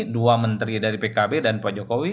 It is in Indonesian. dua menteri dari pkb dan pak jokowi